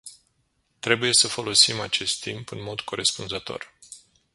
Trebuie să folosim acest timp în mod corespunzător.